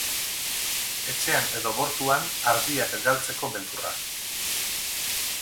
Etxean edo bortuan ardiak galtzeko beldurra.